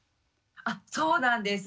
あそうなんです。